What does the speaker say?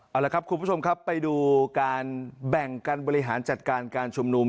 เอาละครับคุณผู้ชมครับไปดูการแบ่งกันบริหารจัดการการชุมนุม